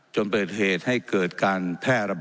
ลองเปิดคลิปสิครับ